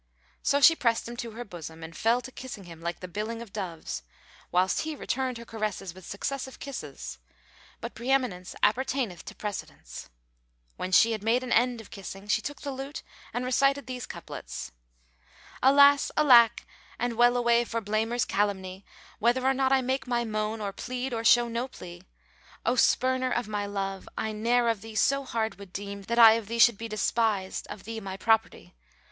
So she pressed him to her bosom and fell to kissing him like the billing of doves, whilst he returned her caresses with successive kisses; but preeminence appertaineth to precedence.[FN#437] When she had made an end of kissing, she took the lute and recited these couplets, "Alas, alack and well away for blamer's calumny! * Whether or not I make my moan or plead or show no plea: O spurner of my love I ne'er of thee so hard would deem * That I of thee should be despised, of thee my property.